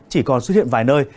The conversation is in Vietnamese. chỉ còn xuất hiện vài nơi